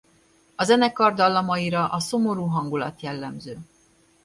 A zenekar dallamaira a szomorú hangulat jellemző.